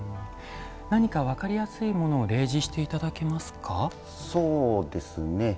何か分かりやすいものを例示していただけますか？